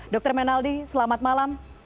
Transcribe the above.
dr menaldi selamat malam